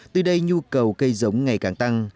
từ đây nhu cầu cây giống ngày càng tăng